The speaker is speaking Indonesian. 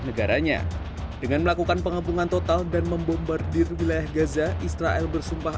negaranya dengan melakukan pengepungan total dan membombardir wilayah gaza israel bersumpah